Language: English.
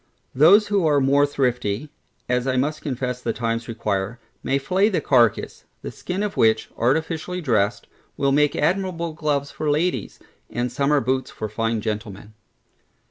Those who are more thrifty (as I must confess the times require) may flay the carcass; the skin of which, artificially dressed, will make admirable gloves for ladies, and summer boots for fine gentlemen.